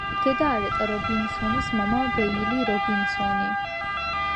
დედა არეტა რობინსონი, მამა ბეილი რობინსონი.